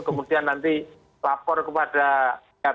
kemudian nanti lapor kepada